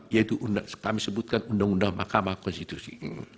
yaitu undang undang makamah konstitusi